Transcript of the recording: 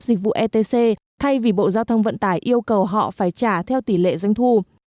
dịch vụ etc thay vì bộ giao thông vận tải yêu cầu họ phải trả theo tỷ lệ doanh thu